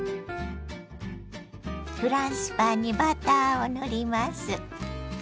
フランスパンにバターを塗ります。